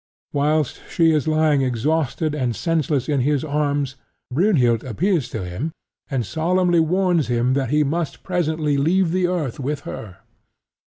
Whilst she is lying exhausted and senseless in his arms, Brynhild appears to him and solemnly warns him that he must presently leave the earth with her.